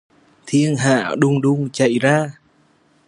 Thiền hạ đùn đùn chạy ra